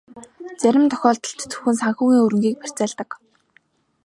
Зарим тохиолдолд зөвхөн санхүүгийн хөрөнгийг барьцаалдаг.